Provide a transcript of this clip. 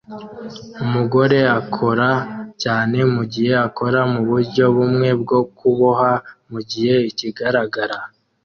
Umugore akora cyane mugihe akora muburyo bumwe bwo kuboha mugihe ikigaragara